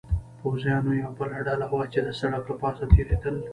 پوځیانو یوه بله ډله وه، چې د سړک له پاسه تېرېدل.